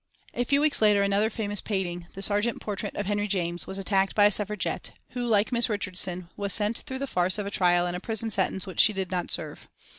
A few weeks later another famous painting, the Sargent portrait of Henry James, was attacked by a Suffragette, who, like Miss Richardson, was sent through the farce of a trial and a prison sentence which she did not serve.